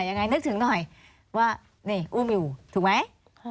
นึกถึงหน่อยว่านี่อุ้มอยู่ถูกไหม